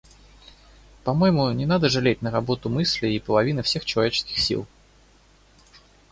По-моему, не надо жалеть на работу мысли и половины всех человеческих сил.